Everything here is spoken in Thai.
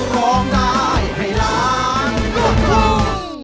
ร้องได้ให้ร้านกลุ่มคลุม